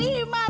abang mau bebek